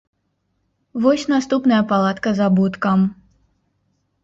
Вось наступная палатка з абуткам.